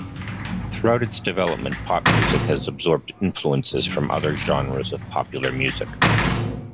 Throughout its development, pop music has absorbed influences from other genres of popular music.